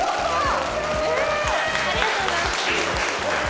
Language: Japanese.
ありがとうございます。